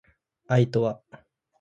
愛とは